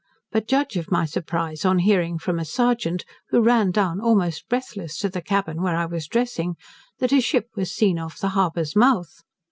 But judge of my surprize on hearing from a serjeant, who ran down almost breathless to the cabin where I was dressing, that a ship was seen off the harbour's mouth.